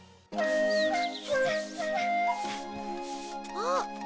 あっ。